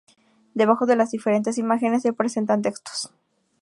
Debajo de las diferentes imágenes se presentan textos.